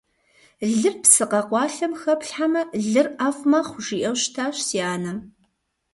Лыр псы къэкъуалъэм хэплъхьэмэ – лыр ӀэфӀ мэхъу, жиӀэу щытащ си анэм.